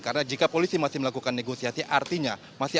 karena jika polisi masih melakukan negosiasi artinya